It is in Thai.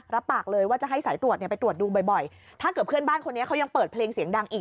รับปากเลยว่าจะให้สายตรวจเนี่ยไปตรวจดูบ่อยถ้าเกิดเพื่อนบ้านคนนี้เขายังเปิดเพลงเสียงดังอีก